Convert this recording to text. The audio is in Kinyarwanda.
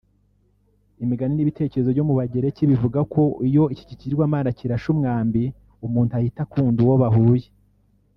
Imigani n’ibitekerezo byo mu bagereki bivuga ko iyo iki kigirwamana kirashe umwambi umuntu ahita akunda uwo bahuye